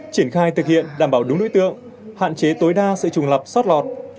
triển khai thực hiện đảm bảo đúng nữ tượng hạn chế tối đa sự trùng lập sót lọt